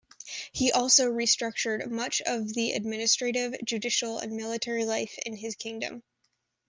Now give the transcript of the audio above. He also restructured much of the administrative, judicial and military life in his kingdom.